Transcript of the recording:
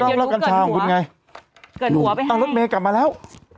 ลองเล่าเกิดหัวเกิดหัวไปกันอ่ะเอารถเมฆกลับมาแล้ว